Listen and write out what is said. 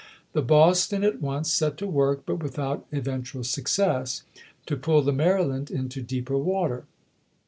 The Boston at once set to work, but without eventual success, to puU the Maryland into deeper water.